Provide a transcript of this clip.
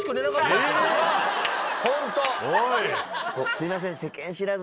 すいません。